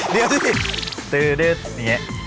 เดี๋ยวสิ